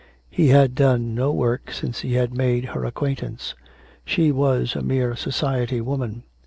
He had done no work since he had made her acquaintance. She was a mere society woman.